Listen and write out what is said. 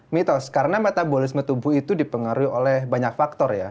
mitos karena metabolisme tubuh itu dipengaruhi oleh banyak faktor ya